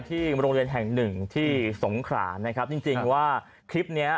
ที่โรงเรียนแห่งหนึ่งที่สงขรานะครับจริงจริงว่าคลิปเนี้ย